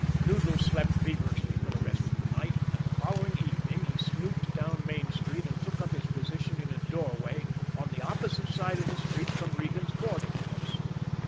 Noodles slept feverishly for the rest of the night, and the following evening he snooped down Main Street and took up his position in a doorway on the opposite side of the street from Regan's boarding house.